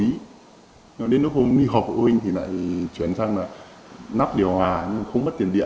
nhưng mà đến lúc hôm đi học phụ huynh thì lại chuyển sang là nắp điều hòa nhưng mà không bắt tiền điện